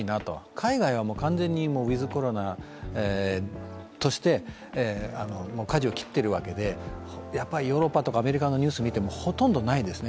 海外はもう完全にウィズ・コロナとしてかじを切っているわけでヨーロッパとかアメリカのニュースを見てもほとんどないですね。